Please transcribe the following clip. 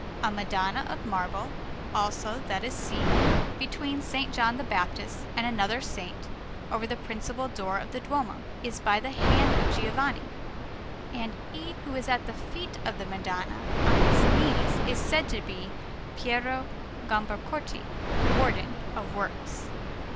A Madonna of marble, also, that is seen between S. John the Baptist and another Saint, over the principal door of the Duomo, is by the hand of Giovanni; and he who is at the feet of the Madonna, on his knees, is said to be Piero Gambacorti, Warden of Works.